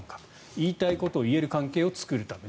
言いたいことを言える関係を作るために。